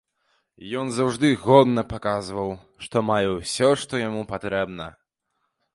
Ён заўжды годна паказваў, што мае ўсё, што яму патрэбна.